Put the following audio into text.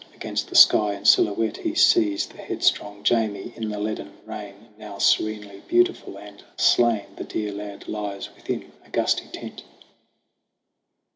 Against the sky, in silhouette, he sees The headstrong Jamie in the leaden rain. And now serenely beautiful and slain The dear lad lies within a gusty tent.